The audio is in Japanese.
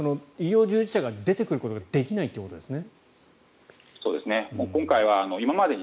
医療従事者が出てくることができないということですね。